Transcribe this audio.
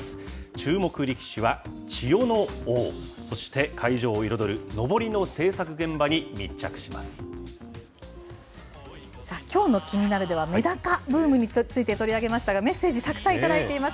注目力士は千代ノ皇、そして会場を彩る、のぼりの制作現場に密着きょうのキニナルでは、メダカブームについて、取り上げましたが、メッセージ、たくさん頂いています。